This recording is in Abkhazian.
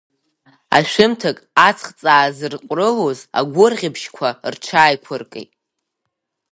Ашәымҭак аҵх ҵаазырҟәрылоз агәырӷьа бжьқәа рҽааиқәыркит.